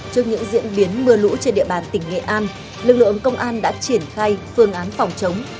trước những diễn biến mưa lũ trên địa bàn tỉnh nghệ an lực lượng công an đã triển khai phương án phòng chống